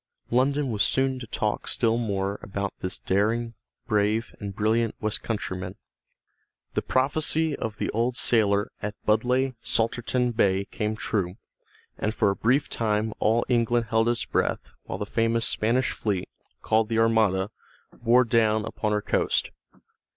London was soon to talk still more about this daring, brave, and brilliant Westcountryman. The prophecy of the old sailor at Budleigh Salterton Bay came true, and for a brief time all England held its breath while the famous Spanish fleet, called the Armada, bore down upon her coast.